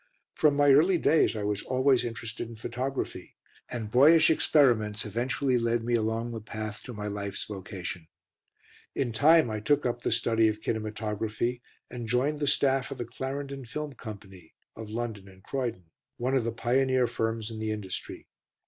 From my early days I was always interested in photography, and boyish experiments eventually led me along the path to my life's vocation. In time I took up the study of kinematography, and joined the staff of the Clarendon Film Company (of London and Croydon), one of the pioneer firms in the industry.